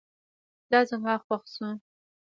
دا زما خوښ شو